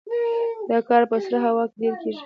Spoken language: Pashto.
دا کار په سړه هوا کې ډیر کیږي